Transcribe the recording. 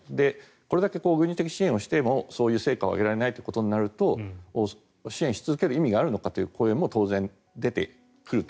これだけ軍事的支援をしてもそういう成果を上げられないとなると支援し続ける意味があるのかという声も当然出てくると。